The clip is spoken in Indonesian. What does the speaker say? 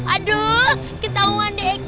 aduh ketauan dekat